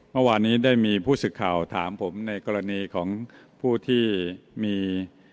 เมื่อวานนี้ได้มีผู้สื่อข่าวถามผมในกรณีของผู้ที่มี